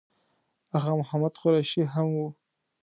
آغا محمد قریشي هم و.